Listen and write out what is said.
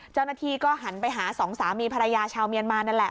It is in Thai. เจ้าหน้าที่ก็หันไปหาสองสามีภรรยาชาวเมียนมานั่นแหละ